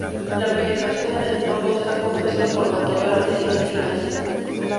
La vegetación del entorno está compuesta por matorrales y encinas.